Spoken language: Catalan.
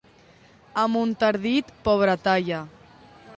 A Montardit, pobretalla.